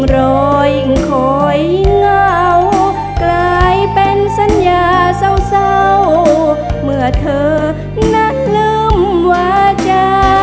รอยคอยเหงากลายเป็นสัญญาเศร้าเมื่อเธอนั้นลืมวาจา